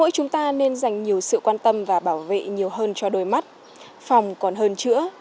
chúng ta nên dành nhiều sự quan tâm và bảo vệ nhiều hơn cho đôi mắt phòng còn hơn chữa